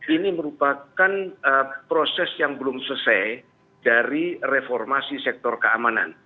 ini merupakan proses yang belum selesai dari reformasi sektor keamanan